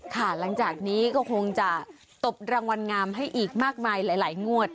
หลังจากนี้ก็คงจะตบรางวัลงามให้อีกมากมายหลายงวด